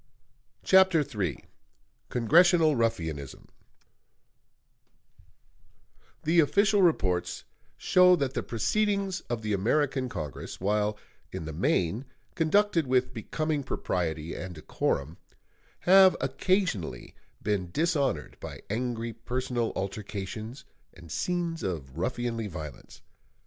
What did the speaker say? CHAPTER III CONGRESSIONAL RUFFIANISM The official reports show that the proceedings of the American Congress, while in the main conducted with becoming propriety and decorum, have occasionally been dishonored by angry personal altercations and scenes of ruffianly violence.